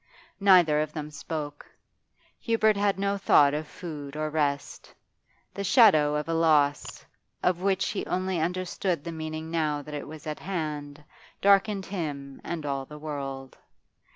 Neither of them spoke. Hubert had no thought of food or rest; the shadow of a loss, of which he only understood the meaning now that it was at hand, darkened him and all the world.